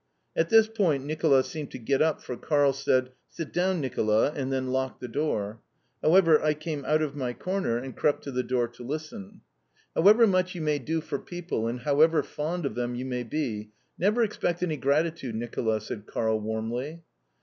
At this point Nicola seemed to get up for Karl said, "Sit down, Nicola," and then locked the door. However, I came out of my corner and crept to the door to listen. "However much you may do for people, and however fond of them you may be, never expect any gratitude, Nicola," said Karl warmly.